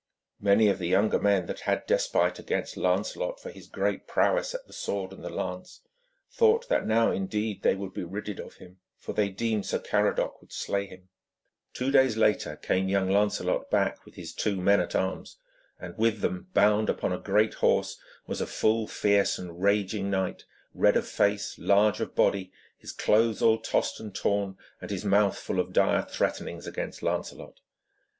Many of the younger men that had despite against Lancelot for his greater prowess at the sword and the lance thought that now, indeed, they would be ridded of him, for they deemed Sir Caradoc would slay him. Two days later came young Lancelot back with his two men at arms, and with them, bound upon a great horse, was a full fierce and raging knight, red of face, large of body, his clothes all tossed and torn, and his mouth full of dire threatenings against Lancelot.